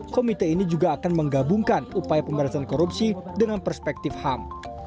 komite ini juga akan menggabungkan upaya pemberantasan korupsi dengan perspektif ham